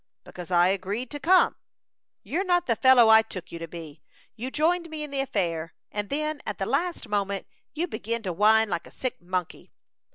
"Because I agreed to come." "You're not the fellow I took you to be. You joined me in the affair, and then, at the last moment, you begin to whine like a sick monkey."